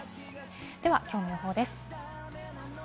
では今日の予報です。